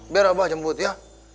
biar abah jemput ya